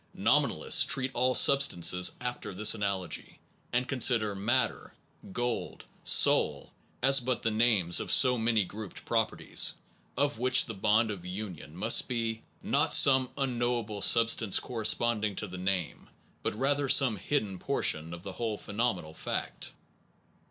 Nominalists treat all substances after this analogy, and consider matter, gold, soul, as but the names of so many grouped properties, of which the bond of union must be, not some unknowable substance corresponding to the name, but rather some hidden portion of the whole phenomenal fact.